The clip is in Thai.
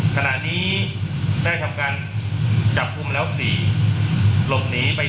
ขณะนี้ได้ทำการจับกลุ่มแล้ว๔หลบหนีไป